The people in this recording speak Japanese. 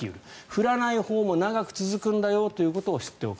降らないほうも長く続くんだよということを知っておく。